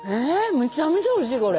めちゃめちゃおいしいこれ。